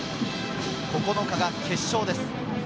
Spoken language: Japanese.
９日が決勝です。